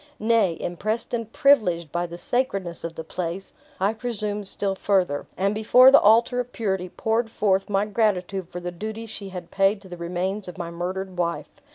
Nay, impressed and privileged by the sacredness of the place, I presumed still further, and before the altar of purity poured forth my gratitude for the duties she had paid to the remains of my murdered wife.